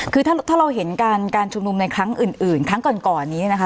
คือถ้าเราเห็นการชุมนุมในครั้งอื่นครั้งก่อนนี้นะคะ